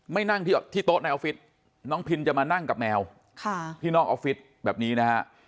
นั่งที่โต๊ะในออฟฟิศน้องพินจะมานั่งกับแมวพี่น้องออฟฟิศแบบนี้นะฮะ